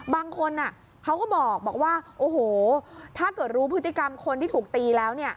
บางคนเขาก็บอกว่าโอ้โหถ้าเกิดรู้พฤติกรรมคนที่ถูกตีแล้วเนี่ย